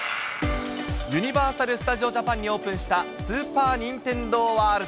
ユニバーサル・スタジオ・ジャパンにオープンしたスーパー・ニンテンドー・ワールド。